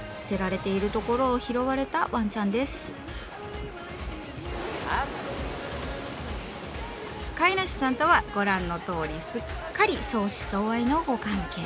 飼い主さんとはご覧のとおりすっかり相思相愛のご関係。